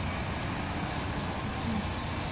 １年。